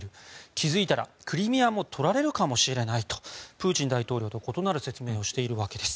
気づいたらクリミアも取られるかもしれないとプーチン大統領と異なる説明をしているわけです。